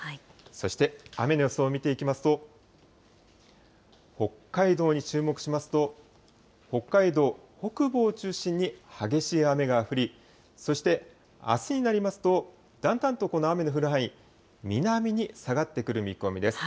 そして雨の予想を見ていきますと、北海道に注目しますと、北海道北部を中心に激しい雨が降り、そして、あすになりますと、だんだんとこの雨の降る範囲、南に下がってくる見込みです。